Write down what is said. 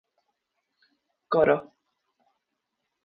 Coro: